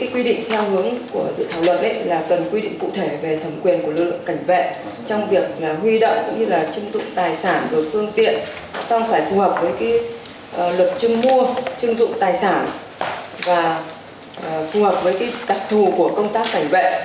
quy động cũng như là chứng dụng tài sản được phương tiện song sải phù hợp với luật chứng mua chứng dụng tài sản và phù hợp với đặc thù của công tác cảnh vệ